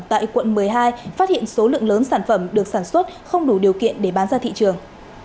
tại quận một mươi hai phát hiện số lượng lớn sản phẩm được sản xuất không đủ điều kiện để bán ra thị trường